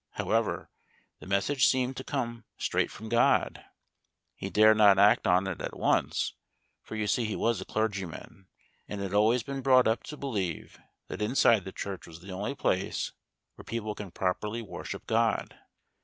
However, the message seemed to come straight from God. He dared not act on it at once, for you see he was a clergyman, and had always been brought up to believe that inside the church was the only place where people can properly worship God.